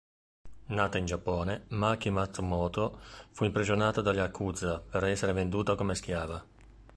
Nata in Giappone, Maki Matsumoto fu imprigionata dalla Yakuza per essere venduta come schiava.